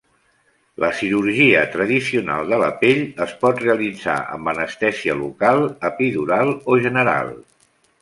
La cirurgia tradicional de la pell es pot realitzar amb anestèsia local, epidural o general.